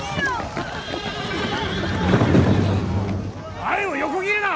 前を横切るな！